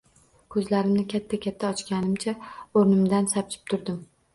Ko'zlarimni katta-katta ochganimcha o'rnimdan sapchib turdim